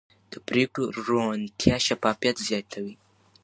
د پرېکړو روڼتیا شفافیت زیاتوي